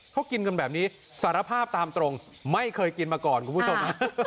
เขากินกันแบบนี้สารภาพตามตรงไม่เคยกินมาก่อนคุณผู้ชม